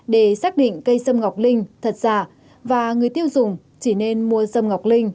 để xác định cây sâm ngọc linh thật giả và người tiêu dùng chỉ nên mua sâm ngọc linh